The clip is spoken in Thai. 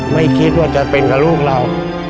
ไม่คิดว่าจะเป็นกับลูกเรา